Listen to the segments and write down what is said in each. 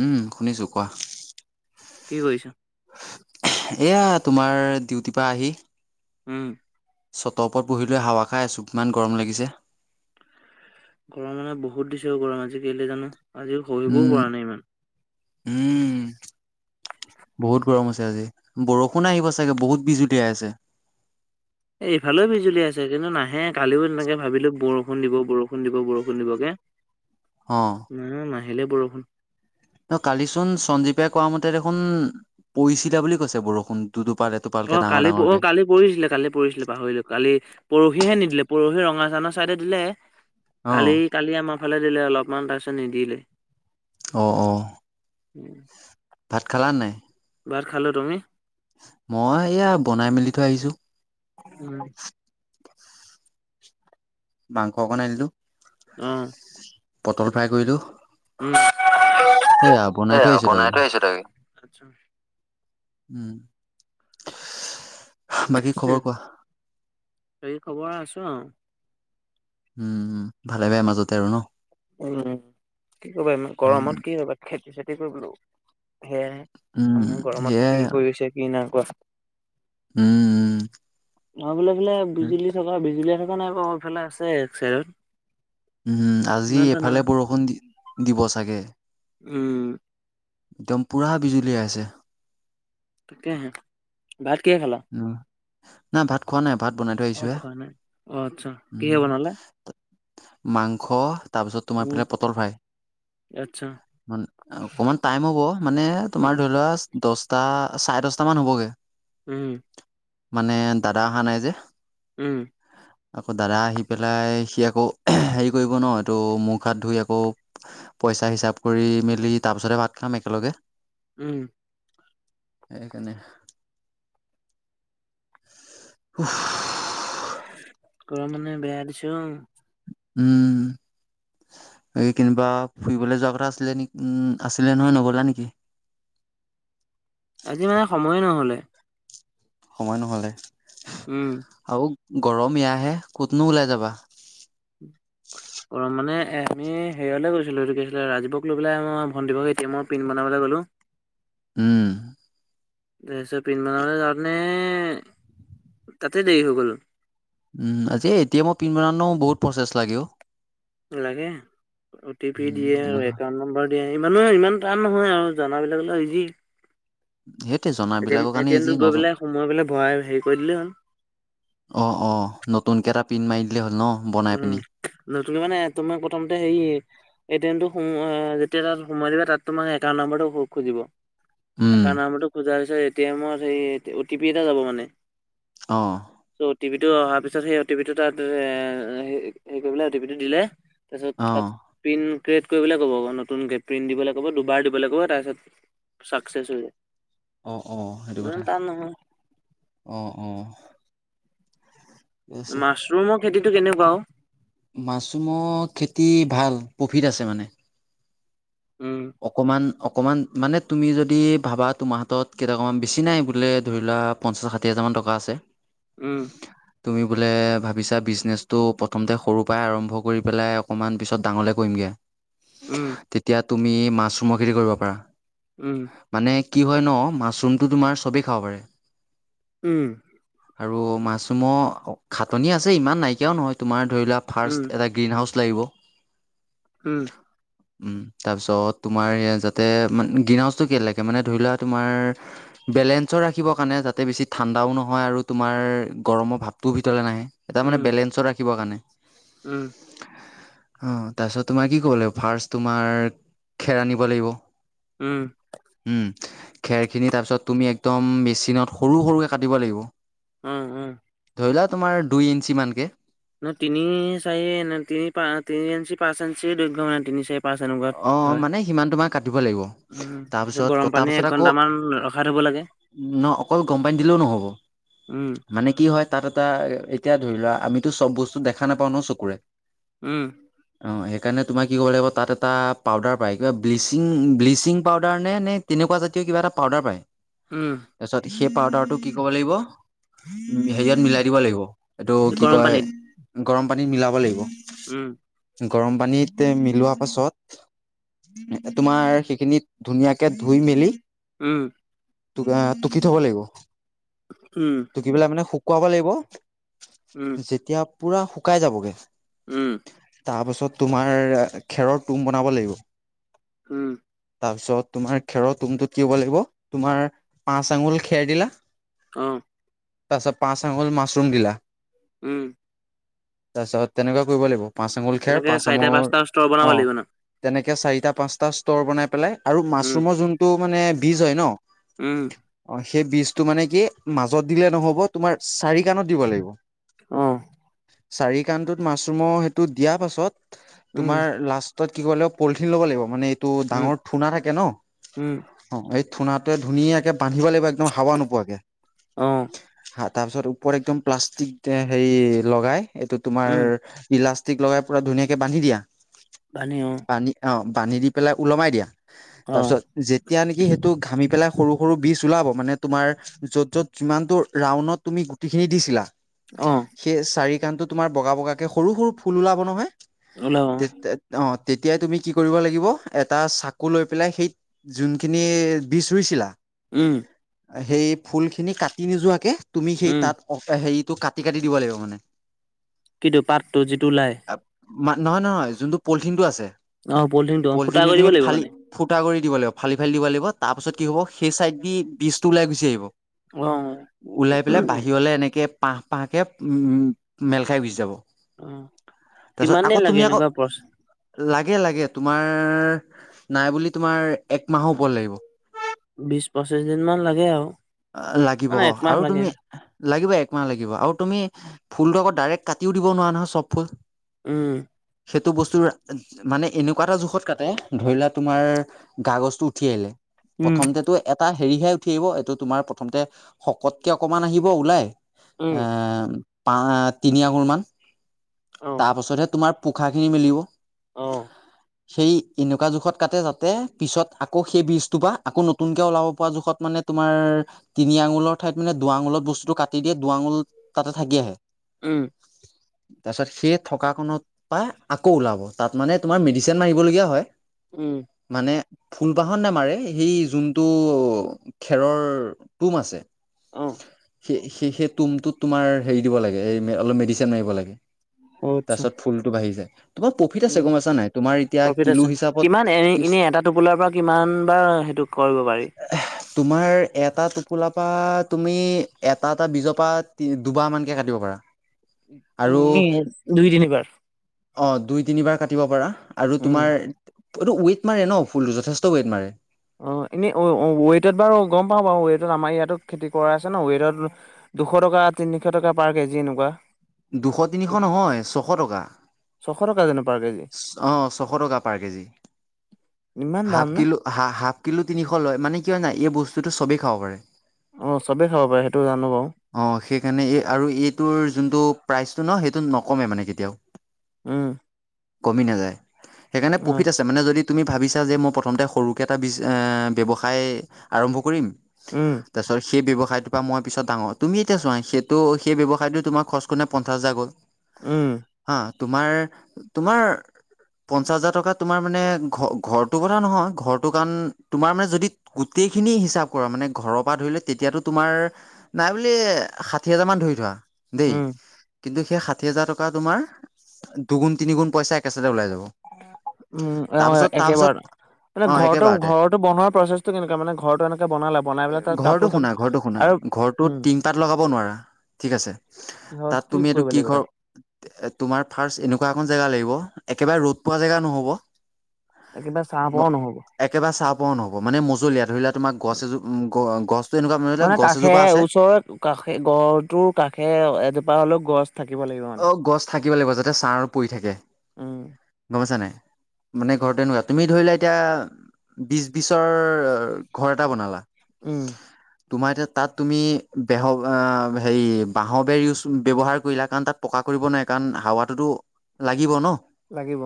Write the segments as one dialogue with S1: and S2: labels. S1: উম, শুনিছোঁ কোৱা।
S2: কি কৰিছা?
S1: এয়া তোমাৰ ডিউটিৰপা আহি
S2: উম।
S1: চটৰ ওপৰত বহিলৈ হাৱা খাই আছোঁ, ইমান গৰম লাগিছে।
S2: গৰম মানে বহুত দিছে আৰু, গৰম আজি কেলে জানো আজি সহিবও
S1: উম
S2: পৰা নাই ইমান।
S1: উম। বহুত গৰম আছে আজি। বৰষুণ আহিব চাগে বহুত বিজোটিয়াই আছে।
S2: এ, এইফালেও বিজুলীয়াই আছে কিন্তু নাহে, কালিও এনেকে ভাবিলোঁ বৰষুণ দিব বৰষুণ বৰষুণ দিব বৰষুণ দিবকে
S1: অ
S2: না নাহিলে বৰষুণ।
S1: কালিচোন সঞ্জীৱে কোৱা মতে দেখোন পৰিছিলা বুলি কৈছে বৰষুণ। দুটোপাল এটোপালকে
S2: অ'
S1: ডাঙৰ
S2: কালি
S1: ডাঙৰকে
S2: অ' কালি পৰিছিলে, কালি পৰিছিলে পাহৰিলোঁ কালি পৰহিহে নিদিলে, পৰহি ৰঙা চানৰ ছাইডে দিলে,
S1: অ
S2: কালি কালি আমাৰ ফালে দিলে অলপমান তাৰপিছত নিদিলে।
S1: অ', অ'।
S2: উম।
S1: ভাত খালা নে নাই?
S2: ভাত খালোঁ। তুমি?
S1: মই এয়া বনাই মেলি থৈ আহিছোঁ। মাংস অকণ আনিলোঁ।
S2: অ'।
S1: পটল ফ্ৰাই কৰিলোঁ।
S2: উম।
S1: হেয়া
S2: এ
S1: বনাই থৈ আহিছোঁ
S2: আপোনাৰ
S1: তাকে।
S2: তাতে
S1: উম,
S2: আহিছে তাকে। আচ্ছা
S1: বাকী খবৰ কোৱা?
S2: বাকী খবৰ আছোঁ আৰু।
S1: উম, ভালে বেয়া মাজতে আৰু ন'?
S2: উম, কি কৰিবা
S1: উম
S2: গৰমত কি কৰিবা খেতি চেতি কৰিবলো সেয়াই,
S1: উম,
S2: ইমান গৰমত
S1: সেয়াই
S2: কি কৰিছে কি নাই কৰা।
S1: উম, উম।
S2: আমাৰ ফালে বোলে বিজুলী থকা বিজুলীয়ে থকা নাই বাৰু, এইফালে আছে এক চাইডত।
S1: উম, আজি
S2: ইমান এটা নাই,
S1: এফালে বৰষুণ দি-দিব চাগে।
S2: উম।
S1: একদম পুৰা বিজুলীয়াই আছে।
S2: তাকহে। ভাত কিহেৰে খালা?
S1: উম, নাই ভাত খোৱা নাই, ভাত বনাই থৈ
S2: অ'
S1: আহিছোঁহে।
S2: খোৱা নাই। অ' আচ্ছা, কিহে
S1: উম।
S2: বনালা?
S1: মাংস তাৰপিছত
S2: উম,
S1: তোমাৰফেলে পটল ফ্ৰাই।
S2: আচ্ছা,
S1: অকমান টাইম হ'ব মানে তোমাৰ ধৰি লোৱা দছটা চাৰে দছটা মান হ'বগে।
S2: উম,
S1: মানে দাদা অহা নাই যে
S2: উম,
S1: আকৌ দাদা আহি পেলাই সি আকৌ হেৰি কৰিব ন এইটো মুখ হাত ধুই আকৌ পইচা হিচাপ কৰি মেলি তাৰ পিছতেহে ভাত খাম একেলগে
S2: উম,
S1: সেইকাৰণে সু
S2: কৰা মানে বেয়া দিছো
S1: উম, এই কেনিবা ফুৰিবলৈ যোৱা কথা আছিলে নেকি উম আছিলে নহয় নগলা নেকি? [inaudible]
S2: আজি মানে সময়ে নহলে
S1: সময় নহলে
S2: উম,
S1: আৰু গৰম এয়াহে কতনো ওলাই যাবা
S2: গৰম মানে আমি হেৰিলৈ গৈছিলোঁ সেইটো কি আছিলে ৰাজীৱক লৈ পেলাই মই ভণ্টীৰ এটি এমৰ পিন বনাবলৈ গ'লো
S1: উম,
S2: তাৰপিছত পিনবনাবলৈ কাৰণে তাতে দেৰি হৈ গল
S1: উম আজি এটি এমৰ পিন বনোৱা বহুত প্ৰচেছ লাগে অ
S2: লাগে অ টি পি
S1: উম
S2: দিয়ে আৰু
S1: তেনেকুৱা
S2: একাউন্ট নম্বৰ ইমানো ইমান টান নহয় আৰু জানাবিলাক অলে ইজি
S1: সেইটোৱে জনাবিলাকৰ কাৰণে
S2: এটি
S1: ইজি
S2: এমটোত গৈ
S1: নজন
S2: পেলাই সোমাই পেলাই ভৰাই হেৰি কৰি দিলেই হ'ল
S1: অ ', অ়', নতুন কেইটা পিনন্ মাৰি দিলেই হ'ল ন বনাই
S2: উম
S1: পিনি
S2: ন তুমি মানে তুমাৰ প্ৰথমতে হেৰি এটিএমটো সোম যেতিয়া তাত সোমাই দিবা তাত তোমে একাউণ নম্বৰো খুজিব
S1: উম
S2: একাউণ্ নম্বৰো খোজা এটিএমৰ ও টি পি এটা যাব মানে
S1: অ',
S2: চ' অ', পি টো অহাৰ পিছত সেই অ টি পি টো তাত এ হৰিলে অ টি পি টো দিলে তাৰপিছত
S1: অ।
S2: তাত পিন ক্ৰিয়েট কৰিবলৈ ক'ব আকৌ নতুন গে প্ৰিণ্ট দিবলৈ ক'ব দুবাৰ দিবলৈ ক'ব তাৰপিছত ছাকচেছ হৈ যায়
S1: অ', সেইটো
S2: ইমান
S1: কথা
S2: টান নহয়
S1: অ', ঠিক আছে।
S2: মাছৰুমৰ খেতিতটো কেনেকুৱাও
S1: মাছৰুমৰ খেতি ভাল প্ৰফিট আছে মানে
S2: উম
S1: অকমান অ অকণমান মানে তুমি যদি ভাবা তোমাৰ হাতত কেইটকামান বেছি নাই বোলে ধৰি ললোৱা পঞ্চাছ ষাঠি হাজাৰমানান টকা আছে
S2: উম,
S1: তুমি বোলে ভাবিছা বিজনেচটো প্ৰথমতে সৰুৰ পৰাই আৰম্ভ কৰি পেলাই অকণমান পিছত ডাঙৰলে কৰিমগৈ
S2: উম,
S1: তেতিয়া তুমি মাছৰুমৰ খেতি কৰিব পাৰা
S2: উম,
S1: মানে কি হয় ন মাছৰুমটো তোমাৰ চবেই খাব পাৰে
S2: উম,
S1: আৰু মাছৰুমৰ খাটনি আছে ইমান নাইকিয়াও নহয় তোমাৰ ধৰি লোৱা
S2: উম
S1: ফাৰ্ষ্ট এটা গ্ৰীণ হাউচ লাগিব
S2: উম,
S1: উম, তাৰ পিছত তোমাৰ যাতে গ্ৰিন হাউজটো কে লাগে মানে ধৰি লোৱা তোমাৰ বেলেঞ্চ ৰাখিব কাৰণে যাতে বেছি ঠাণ্ডাও নহয় আৰু তোমাৰ গৰমৰ ভাৱটোও ভিতৰলৈ নাহে এটা মানে
S2: উম
S1: বেলেঞ্চৰ ৰাখিবৰ কাৰণে।
S2: উম।
S1: অ', তাৰপিছত তোমাৰ কি কব লাগিব ফাৰ্ষ্ট তোমাৰ খেৰ আনিব লাগিব।
S2: উম।
S1: খেৰ খিনি তাৰ পিছত তুমি একদম মেচিনত সৰু সৰুকে কাটিব লাগিব।
S2: উম, উম।
S1: ধৰিলা তোমাৰ দুই ইঞ্চিমানানকে।
S2: ন তিনি চাহ ন তিনি প তিনিআশ পাঁচ ইঞ্চি দৈৰ্ঘ্য তিনি চাহ পাছ এনেকুৱাত
S1: অ
S2: হয়
S1: মানে সিমান তোমাৰ কাটিব লাগিব
S2: উম তাৰিত
S1: তাৰপিছত
S2: গৰম
S1: কটাৰ
S2: পানীয়ে
S1: পাছত
S2: এক
S1: আকৌ
S2: ঘন্টামান ৰখাত থ হব লাগে।
S1: ন অকল গম পানী দিলেও নহ'ব
S2: উম
S1: মানে কি হয় তাত এটা এতিয়া ধৰি লোৱা আমিতো চব বস্তু দেখা নাপাওঁ ন চকুৰে
S2: উম।
S1: অ', সেইকাৰণে তোমাৰ ক কৰিব লাগিব তাত এটা পাউদাৰ পায় কিবা ব্লিচিং ব্লিচিং পাউদাৰ নে নে তেনেকুৱা জাতীয় কিবা এটা পাউদাৰ পায়।
S2: উম।
S1: তাৰপিছত সেই পাউদাৰটো কি কব লাগিব হেৰিয়ত মিলাই দিব লাগিব। এইটো কি
S2: গৰম
S1: কয়
S2: পানীত
S1: গৰম পানীত মিলাব লাগিব।
S2: উম।
S1: গৰম পানীত মিলোৱা পাছত তোমাৰ সেইখিনি ধুনীয়াকে ধুই মেলি
S2: উম।
S1: টুকি থব লাগিব
S2: উম
S1: টুকি পেলাই মানে শুকুৱাব লাগিব।
S2: উম
S1: যেতিয়া পুৰা শুকাই যাবগে
S2: উম।
S1: তাৰপাছত তোমাৰ খেৰৰ তুম বনাব লাগিব।
S2: হম।
S1: তাৰপিছত তোমাৰ খেৰৰ টুমটোত কি হ'ব লাগিব তুমাৰ পাঁচ আঙুল খেৰ দিলা
S2: অ',।
S1: তাছত পাঁচ আঙল মাছৰুম দিলা
S2: উম।
S1: তাৰিছত তেনেকুৱা কৰিব লাগিব পাঁচ আঙুল খেৰ
S2: তেনেকে
S1: পাচ
S2: চাৰিটা
S1: আমুল
S2: পাঁচটা স্তৰ বনাব
S1: অ'।
S2: লাগিব ন
S1: এনেকে চাৰিটা পাঁচটা ষ্টৰ বনাই পেলাই আৰু
S2: উম
S1: মাছৰুমৰ যোনতটো মানে বীজ হয় ন
S2: উম।
S1: অ সেই বীজতটো মানে কি মাজত দিলে নহ'ব তোমাৰ চাৰি কাণ দিব লাগিব
S2: অ
S1: চাৰি কাণটোত মাছৰুমৰ সেইটো দিয়াৰ পাছত
S2: উম
S1: তোমাৰ লাষ্টত কি ক লাগিব পলিথিন ল'ব লাগিব মানে টো
S2: উম
S1: ডাঙৰ থুনা থাকে ন
S2: উম
S1: অ', এই থুনাটোৱে ধুনীয়াকে বান্ধিব লাগিব একদম হাৱা নোপোৱাকে
S2: অ
S1: হাত তাৰপিছত ওপৰত একদম প্লাষ্টিক হেৰি লগাই এইটো তোমাৰ
S2: উম
S1: ইলা টিক লগাই পুৰা ধুনীয়াকে বান্ধি দিয়া
S2: পানী অ
S1: বান্ধি অ', বান্ধি দি পেলাই ওলমাই দিয়া
S2: অ
S1: তাৰ পিছত যেতিয়া নেকি সেইটো ঘামি পেলাই সৰু, সৰু বীজ ওলাব মানে তোমাৰ য'ত, য'ত যিমানটো ৰাউণ্ডত তুমি গুটি খিনি দিছিলা
S2: অ
S1: সেই চাৰি কাণতটো তোমাৰ বগা বগা কে সৰু সৰু ফুল ওলাব নহয়
S2: ওলা
S1: অ', তেতিয়াই তুমি কি কৰিব লাগিব এটা চাকু লৈ পেলাই সেই যোনখিনি বীজ ৰুইছিলা
S2: উম।
S1: সেই ফুল খিনি কাটি নোযোৱাকে তুমি সেই
S2: উম
S1: তাত অ', সেই তোক কাটি কাটি দিব লাগিব মানে
S2: কিন্তু পাতটো যিটো ওলাই
S1: নহয়, নহয় যোনটো পলিথিন টো আছে
S2: অ অ ফুটা
S1: পলিথিনটো
S2: কৰি দিব
S1: তুমি
S2: লাগিব
S1: ফালি
S2: মানে
S1: ফুটা কৰি দিব লাগিব। ফালি, ফালি দিব লাগিব। তাৰ পিছত কি হ'ব সেই চাইদ দি বীজটো ওলাই গুচি আহিব।
S2: অ
S1: ওলাই, পেলাই বাহিৰলে এনেকে। পাঁহ, পাহকৈ মেল খাই গুচি যাব।
S2: অ,
S1: তাৰপিছত
S2: কিমান
S1: আকৌ
S2: দ
S1: তুমি
S2: লাগে।
S1: আকৌ
S2: এনেকুৱা পৰচ
S1: লাগে, লাগে, তোমাৰ নাই বুলি তোমাৰ একমাহৰ ওপৰত লাগিব।
S2: বিশ পঁচিশ দিন মান লাগে আৰু
S1: লাগিব
S2: মানে
S1: অ,
S2: একমাহ
S1: আৰু
S2: লাগে
S1: তুমি? লাগিব, একমাহ লাগিব, আৰু তুমি ফুলটো আকৌ ডাইৰেক্ট কাটিও দিব নোৱাৰা নহয়, চব ফুল।
S2: উম।
S1: সেইটো বস্তু মানে এনেকুৱা এটা জোখত কাটে ধৰি লোৱা তোমাৰ গাগজটো উঠি আহিলে।
S2: উম
S1: প্ৰথমতেতো এটা হেৰিহে উঠি আহিব। এইটো তোমাৰ প্ৰথমতে শকতকে অকমান আহিব ওলাই।
S2: উম
S1: এ, পা, তিনি আগুৰ মান
S2: অ
S1: তাৰপাছতহে তোমাৰ পোখাখিনি মিলিব।
S2: আহ।
S1: সেই এনেকুৱা জোখত কাটতে যাতে, পিছত আকৌ সেই বীজটো পৰা আকৌ নতুনকে ওলাব পৰা জোখত মানে। তোমাৰ তিনি আঙুলৰ ঠাইত মানে দুৱাঙুলত বস্তুটো কাটি দিয়ে, দুৱাঙুল তাতে থাকি আহে।
S2: উম।
S1: তাৰপিছত সেই থকা কনত পাই আকৌ ওলাব। তাত মানে তোমাৰ মেডিচিন মাৰিবলগীয়া হয়।
S2: উম।
S1: ফুলপাহৰ নোমাৰে সেই যোনটো খেৰৰ তুম আছে।
S2: অ
S1: স, সেই, সেই তুমটোত তোমাৰ হেৰি দিব লাগে, অলপ মেডিচিন মাৰিব লাগে।
S2: অ
S1: তাৰ
S2: আচ্ছা
S1: পিছত ফুলতটো বাঢ়ি যায়। তোমাৰ প্ৰফিট আছে
S2: উম
S1: গম, পইছা নাই, তোমাৰ এতিয়া
S2: প্ৰফিট
S1: কিলো
S2: আছে
S1: হিচাপত
S2: কিমান এ
S1: কি
S2: এনে এটা টোপোলাৰ পৰা কিমান বাৰ সেইটো কৰিব পাৰি
S1: তোমাৰ এটা টোপোলা পাত। তুমি এটা, এটা বীজৰ পৰা দুবাহ মানকে কাটিব পাৰা। আৰু
S2: এনে দুই, তিনিবাৰ।
S1: অ, দুই, তিনিবাৰ কাটিব পাৰা আৰু
S2: উম
S1: তোমাৰ এইটো ৱট মাৰে ন, ফুলটো যথেষ্ট ৱেইট মাৰে।
S2: অ, এনেই ৱেইটত বাৰু গম পাওঁ বাৰু ৱটত আমাৰ ইয়াতো খেতি কৰা আছে ন, ৱটত। দুশ টকা, তিনিশ টকা পাৰ কেজি এনেকুৱা।
S1: দুশ, তিনিশ নহয়, ছশ টকা।
S2: ছশ টকা জানো পাৰ কেজি
S1: অ, ছশ টকা পাৰ কেজি।
S2: ইমান
S1: হাফ
S2: দাম না
S1: কিলো হা, হাফ কিলো তিনিশ লয়, মানে কিয় নাই এই বস্তুটো চবেই খাব পাৰে।
S2: অ চবেই খাব পাৰে সেইটো জানো বাৰু
S1: অ, সেইকাৰণে এই আৰু এইটোৰ যোনটো প্ৰাইচটো ন, সেইটো নকমে মানে কেতিয়াও।
S2: উম।
S1: কমি নাযায়। সেইকাৰণে প্ৰফিট
S2: আচ্ছা
S1: আছে মানে যদি তুমি ভাবিছা যে, মই প্ৰথমতে সৰুকৈ এটা বিজ ব্যৱসায় আৰম্ভ কৰিম।
S2: উম
S1: তাৰ পিছত সেই ব্যৱসাই ব্যৱসায়টো পৰা মই পিছত ডাঙৰ তুমি এতিয়া চোৱা সেইটো সেই ব্যৱসায়টো টোমাৰ খৰচ পঞ্চছ হাজাৰ গ'ল।
S2: উম।
S1: হা তোমাৰ, তোমাৰ পঞ্চাশ হাজাৰ টকা তোমাৰ মানে ঘ-ঘৰটোৰ কথা নহয় ঘৰটো কাৰণ তোমাৰ মানে যদি গো সেইখিনি হিচাপ কৰা মানে ঘৰৰ পৰা ধৰিলে তেতিয়াতো তোমাৰ নাই বুলি ষাঠি হাজাৰ মান ধৰি থোৱা। দেই
S2: উম
S1: কিন্তু সেই সাতি হাজাৰ টকা তোমাৰ দুগুন তিগুণ পইচা একেচাতে ওলাই যাব।
S2: উম, অ,
S1: তাৰপিছত তাৰপিছত
S2: একেবাৰে। মানে
S1: অ
S2: ঘৰৰতো,
S1: একেবাৰতে
S2: ঘৰতো বনোৱাৰ প্ৰচেছটো কেনেকুৱা মানে ঘৰতটো এনেকে বনালে, বনাই পেলাই তাত
S1: ঘৰটো
S2: কাপোৰ চাপোৰ
S1: শুনা
S2: আৰু
S1: ঘৰটো
S2: উম
S1: টিং পাত লগাব নোৱাৰা ঠিক আছে,
S2: কিহত
S1: তাত তুমি এইটো
S2: কৰিব
S1: কি
S2: লাগিব
S1: ঘৰ
S2: তাত
S1: তোমাৰ ফাৰ্ষট এনেকুৱা এখন জেগা লাগিব একেবাৰে ৰ'দ পোৱা জেগা নহব।
S2: একেবাৰে চাহ পৰাও নহ'ব।
S1: একেবাৰে চাহ পোৱাও নহব, মানে মজলীয়া ধৰিলা তোমাৰ গছ এজো গছটো এনেকুৱা
S2: মানে
S1: গছ
S2: কাষে
S1: এজোপা আছে
S2: ওচৰৰত কাষে গড়টোৰ কাষে এজোপা হলেও গছ। থাকিব লাগিব মানে।
S1: অ', গছ থাকিব লাগিব। যাতে ছাঁ পৰি থাকে
S2: উম,
S1: গমপইছা নে নাই। মানে ঘৰতে এনেকোৱা তুমি ধৰি লোৱা এতিয়া বিচ, বিচৰ ঘৰ এটা বনালা।
S2: উম।
S1: তোমাৰ এতিয়া তাত তুমি বেহ হেৰি বাঁহ বেৰ ইউজ ব্যয়ৱহাৰ কৰিলা কাৰণ তাত পকা কৰিব নাই কাৰণ হাৱাটোতো লাগিব ন।
S2: লাগিব।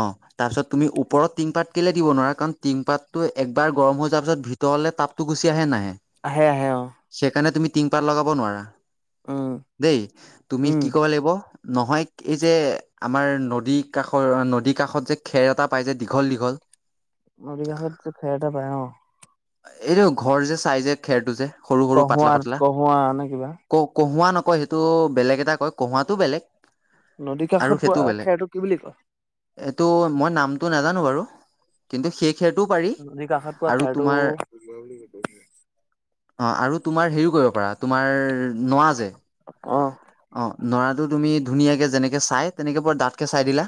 S1: অঁ, তাৰপিছত তুমি ওপৰতৰ টিংপাত কেলৈ দিব নোৱাৰা কাৰণ টিংপাতটো একবাৰ গৰম হৈ যোৱাৰ পিছত ভিতৰ'লে তাপতো গুচি আহে, নাহে।
S2: আহে, আহে অ।
S1: টিং পাত লগাব নোৱাৰা,
S2: উম,
S1: দেই তুমি
S2: উম।
S1: কেব, নহয় এই যে আমাৰ নদ কাষৰ নদী কাষত যে খেৰ এটা পাই যে দীঘল। দিঘল, দিঘল।
S2: নদী কাষত ফেৰ এটা পায় অ।
S1: এইটো ঘৰ যে চাই যে খেৰটো যে সৰু, সৰু
S2: কহোৱা
S1: পাতলা, পাতলা
S2: কহোৱা নে কিবা।
S1: কওক কহুৱা নকয় সেইটো বেলেগ এটা কয়। কঁহুৱাতটো বেলেগ
S2: নদীৰ
S1: আৰু
S2: কাষত
S1: সেইটোও
S2: পোৱা
S1: বেলেগ
S2: খেৰটো কি বুলি কয়।
S1: এইটো মই নামটো নাজানো বাৰু কিন্তু শেষেটো পাৰি
S2: নদীৰ কাষত পোৱা
S1: আৰু
S2: খেৰটো
S1: তোমাৰ অ', আৰু তোমাৰ হেৰিও কৰিব পাৰা তোমাৰ নৱা যে।
S2: অ,
S1: অ', ৰাটো তুমি ধুনীয়াকে যেনেকে চাই তেনেকে বৰ দাতকে চাই দিলা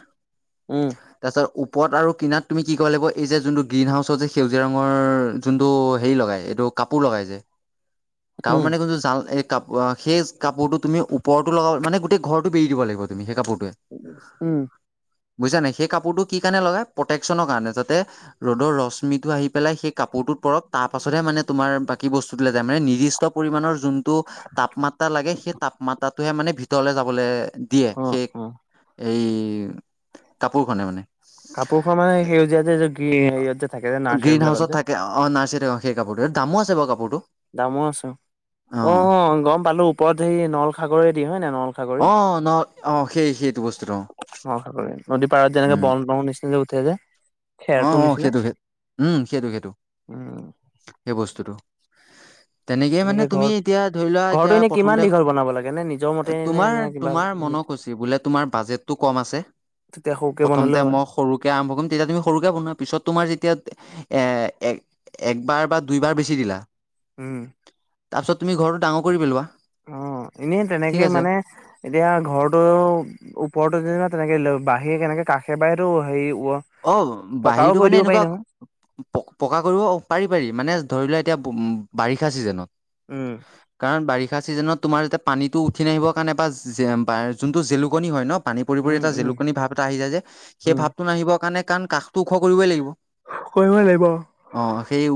S2: উম,
S1: তাৰপাছত উপ পথ আৰু কিনাত তুমি কি ক লাগিব এই যে যোনটো গ্ৰীণ হাউচৰ যে সেউজীয়া ৰঙৰ যোনটো হেৰি লগাই এইটো কাপোৰ লগাই যে কাপোৰ
S2: উম,
S1: মানে ক জ কাপোৰতো তুমি পৰটো লগা মানেই ঘৰটো বৰি দ লাগিব তুমি সেই কাপোৰটো
S2: উম,
S1: বুজছা নাই সেই কাপোৰটো কি কাৰণে লগাই প্ৰটেকচনৰ কাৰণে যাতে ৰদৰ ৰশ্মিটো আহি পেলাই সেই কাপোৰটো [unintelligible] টো তাপমাত্ৰা লাগে সেই তাপমাত্ৰাটোহে মানে ভিতৰলে যাবলৈ দিয়ে
S2: অ, অ,
S1: সেই এই কাপোৰখনে মানে
S2: কাপোৰ খন মানে সেউজীয়াতে
S1: অ', গ্ৰীণ হাউচত থাকে অ নাৰ্চিত সেই কাপোৰটো দামো আছে বাৰু কাপোৰটো
S2: দামো আছো অ', ম পালো ওপৰত হেৰি নলসাগৰিদি হয় ন নলসাগৰি
S1: অ ন অ সেই সেইটো বস্তুটো অ
S2: শা কৰি নদী পাৰাত যেনেকে
S1: উম
S2: বন ব নিচ নিজে উঠেছোয় [unintelligible]
S1: অ', সেইটো সেই উম সেইটো সেইটো
S2: উম,
S1: সেই বস্তুটো তেনেকে মানে তুমি এতিয়া ধৰি লোৱা
S2: ঘৰটো
S1: এতিয়া
S2: এনে কিমান
S1: প্ৰথমতে
S2: দীঘল বনাব লাগে নে নিজৰ মতে নে
S1: তোমাৰ
S2: নে কিবা
S1: তোমাৰ মনক কৈছি বলে তোমাৰ বাজেট টো কম আছে
S2: তেতিয়া সৰুকে
S1: প্ৰথমতে
S2: বনালেও হয়
S1: মই সৰু কে আৰম্ভ কৰিম তেতিয়া তুমি সৰু কেই শুনা পিছত তোমাৰ যেতিয়া এ এক এক বাৰ বা দুইবাৰ বেছি দিলা
S2: উম,
S1: তাৰপিছত তুমি ঘৰটো ডাঙৰ কৰি পেলোৱা
S2: অ', নেই
S1: ঠিক
S2: তেনেকে
S1: আছে
S2: মানে এতিয়া ঘৰটো ওপৰতো যেনিবা তেনেকে লৈ বাহীৰ কেনেকে কাষে বাহে টো হেৰি
S1: অ',
S2: পকাও
S1: বাহিৰতটো
S2: কৰি
S1: মানে
S2: দিব পাৰি
S1: এনেকুৱা
S2: নহয়
S1: পকা কৰিব পাৰি পাৰি মানে ধৰি লোৱা এতিয়া বুম্ বাৰিষা চিজনত
S2: উম,
S1: কাৰণ বাৰিষা বাৰিষা চিজনত তোমাৰ যেতিয়া পানীটো উঠি নাহিবৰ কাৰণে বা যে যোনটো জেলুকনি হয় ন পানী পৰি পৰি
S2: উম,
S1: এটা
S2: উম,
S1: জেলুকনী ভাৱ এটা আহি যায় যে সেই
S2: উম,
S1: ভাৱটোো নাহিবৰ কাৰণে কাৰণ কাষটো ওখ কৰিবই লাগিব
S2: কৰিব লাগিব
S1: অ সেই